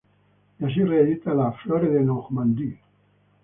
Y así reedita la "Flore de Normandie".